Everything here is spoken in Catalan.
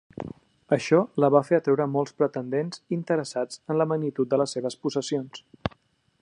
Això la va fer atreure molts pretendents, interessats en la magnitud de les seves possessions.